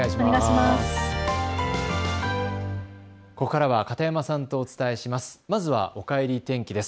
ここからは片山さんとお伝えします。